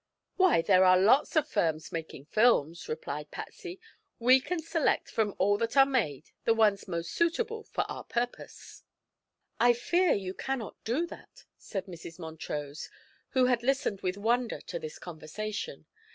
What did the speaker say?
"Why, there are lots of firms making films," replied Patsy. "We can select from all that are made the ones most suitable for our purpose." "I fear you cannot do that," said Mrs. Montrose, who had listened with wonder to this conversation.